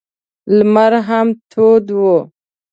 لمر هم تود و.